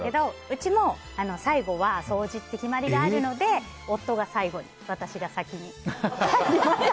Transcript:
うちも最後は掃除って決まりがあるので夫が最後、私が先に。